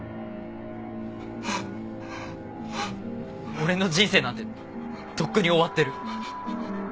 俺の人生なんてとっくに終わってる。